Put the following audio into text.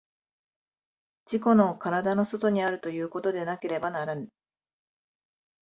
自己の身体の外にあるということでなければならぬ。